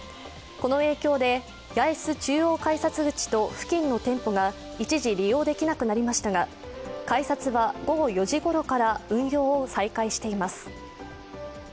この影響で八重洲中央改札口と付近の店舗が一時利用できなくなりましたが改札は午後４時ごろから運用を再開しています。